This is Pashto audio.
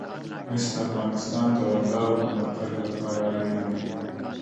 مس د افغانستان د دوامداره پرمختګ لپاره اړین دي.